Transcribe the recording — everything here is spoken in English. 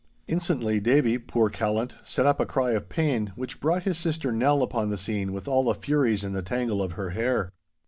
Instantly Davie, poor callant, set up a cry of pain, which brought his sister Nell upon the scene with all the furies in the tangle of her hair.